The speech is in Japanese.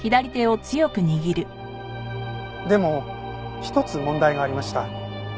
でも一つ問題がありました。